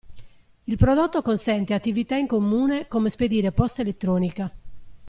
Il prodotto consente attività in comune come spedire posta elettronica.